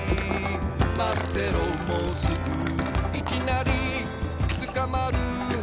「まってろもうすぐ」「いきなりつかまる」